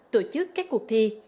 tổ chức các cuộc thi